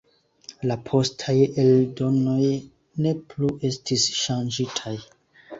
La postaj eldonoj ne plu estis ŝanĝitaj.